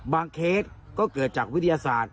เคสก็เกิดจากวิทยาศาสตร์